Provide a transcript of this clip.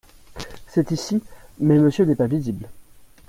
C’est ici… mais Monsieur n’est pas visible…